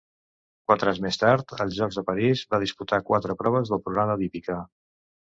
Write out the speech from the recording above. Quatre anys més tard, als Jocs de París, va disputar quatre proves del programa d'hípica.